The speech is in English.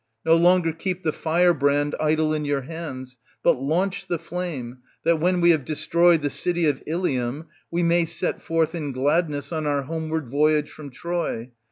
No longer keep the fire brand idle in your hands, but launch the flame, that when we have destroyed the city of Ilium we may set forth in gladness on our homeward voyage fi:om Troy.